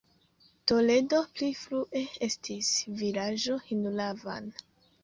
Toledo pli frue estis vilaĝo Hinulavan.